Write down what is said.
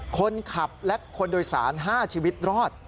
คนขับและคนโดยสาร๕ชีวิตรอด